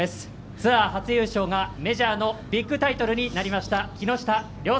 ツアー初優勝がメジャーのビッグタイトルになりました。